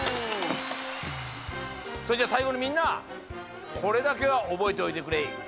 それじゃさいごにみんなこれだけはおぼえておいてくれ！